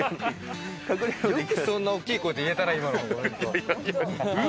よくそんな大きい声で言えたな、今の。